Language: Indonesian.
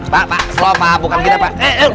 pak pak slow pak bukan kita pak